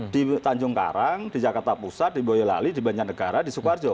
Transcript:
di tanjung karang di jakarta pusat di boyolali di banjarnegara di sukoharjo